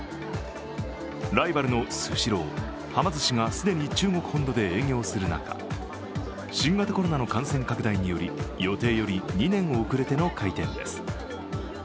ライバルのスシロー、はま寿司が既に中国本土で営業する中、新型コロナの感染拡大により予定より２年遅れての回転です。